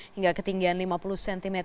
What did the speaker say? hingga ketinggian lima puluh cm